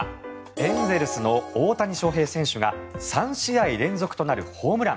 エンゼルスの大谷翔平選手が３試合連続となるホームラン。